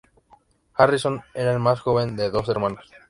Harrison era el más joven de dos hermanos.